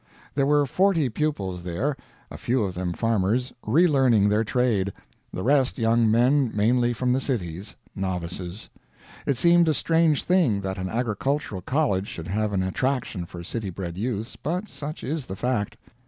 There were forty pupils there a few of them farmers, relearning their trade, the rest young men mainly from the cities novices. It seemed a strange thing that an agricultural college should have an attraction for city bred youths, but such is the fact.